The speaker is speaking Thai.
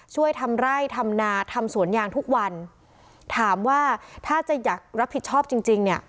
ช่วยทำไร่ทำนาทำสวนยางทุกวันถามว่าถ้าจะอยากรับผิดชอบจริงจริงเนี่ย